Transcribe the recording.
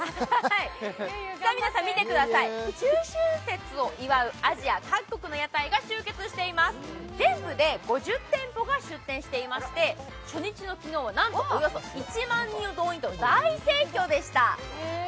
皆さん、見てください、中秋節を祝う各国の屋台が集結しています、全部で５０店舗が出店していまして、初日の昨日は、なんと１万人を動員と大盛況でした。